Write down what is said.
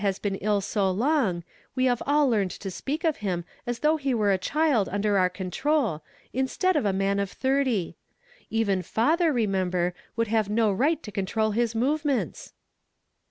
has been ill so long, we have all learned ro speak of him as though he were a child under our con trol, instead of a man of thirty. Even father remember, would have no right to control his movements."